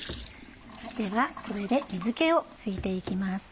ではこれで水気を拭いて行きます。